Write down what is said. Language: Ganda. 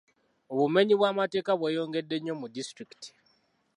Obumenyi bw'amateeka bweyongedde nnyo mu disitulikiti.